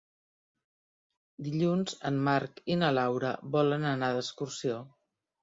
Dilluns en Marc i na Laura volen anar d'excursió.